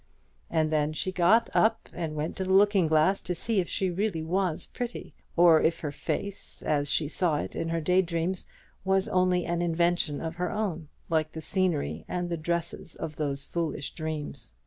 And then she got up and went to the looking glass to see if she really was pretty; or if her face, as she saw it in her day dreams, was only an invention of her own, like the scenery and the dresses of those foolish dreams.